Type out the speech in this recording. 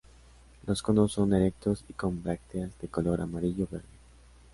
Los conos son erectos y con brácteas de color amarillo-verde.